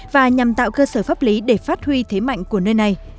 và nhằm tạo cơ sở pháp lý để phát huy thế mạnh của nơi này